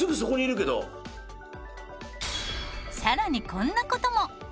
さらにこんな事も。